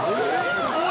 すごい！